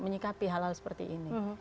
menyikapi hal hal seperti ini